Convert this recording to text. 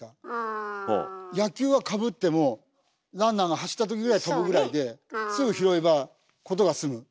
野球はかぶってもランナーが走った時ぐらい飛ぶぐらいですぐ拾えば事が済む。